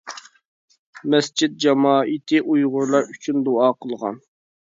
مەسچىت جامائىتى ئۇيغۇرلار ئۈچۈن دۇئا قىلغان .